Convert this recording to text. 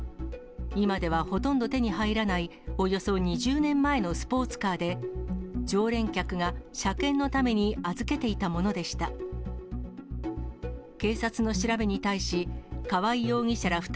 今ではほとんど手に入らない、およそ２０年前のスポーツカーで、常連客が車検のために預けていたものでした。